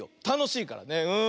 たのしいからね。